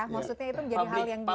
maksudnya itu menjadi hal yang biasa